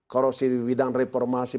korupsi di bidang reformasi